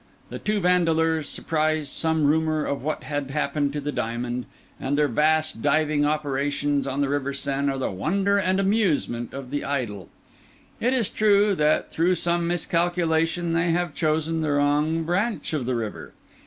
The two Vandeleurs surprised some rumour of what had happened to the diamond; and their vast diving operations on the River Seine are the wonder and amusement of the idle. It is true that through some miscalculation they have chosen the wrong branch of the river.